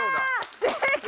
正解！